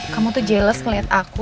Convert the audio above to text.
kamu tuh jeles ngeliat aku